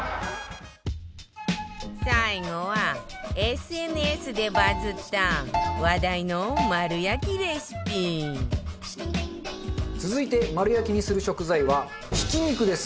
最後は ＳＮＳ でバズった話題の丸焼きレシピ続いて丸焼きにする食材はひき肉です。